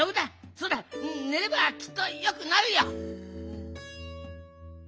そうだねればきっとよくなるよ。